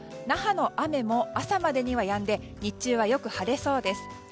那覇の雨も朝までにはやんで日中はよく晴れそうです。